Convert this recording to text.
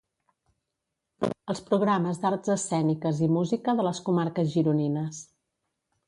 Els programes d'arts escèniques i música de les comarques gironines.